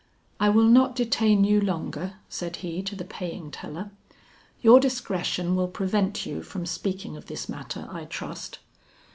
"I will not detain you longer," said he to the paying teller. "Your discretion will prevent you from speaking of this matter, I trust."